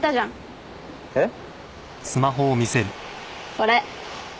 これ。